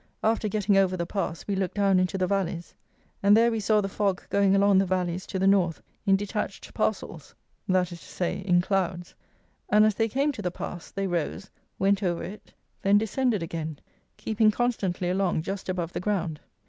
After getting over the pass, we looked down into the valleys, and there we saw the fog going along the valleys to the North, in detached parcels, that is to say, in clouds, and, as they came to the pass, they rose, went over it, then descended again, keeping constantly along just above the ground.